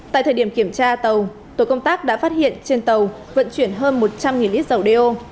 tại thời điểm kiểm tra tàu tổ công tác đã phát hiện trên tàu vận chuyển hơn một trăm linh lít dầu đeo